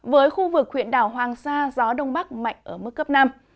với khu vực huyện đảo hoàng sa gió đông bắc mạnh ở mức cấp năm